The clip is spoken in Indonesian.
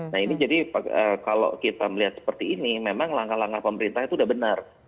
nah ini jadi kalau kita melihat seperti ini memang langkah langkah pemerintah itu sudah benar